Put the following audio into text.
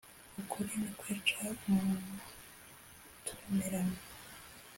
Ukuri ntikwica umutumirano.